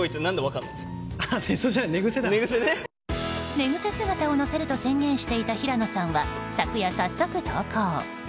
寝癖姿を載せると宣言していた平野さんは昨夜、早速、投稿。